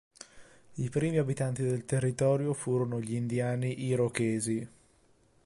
I primi abitanti del territorio furono gli indiani irochesi.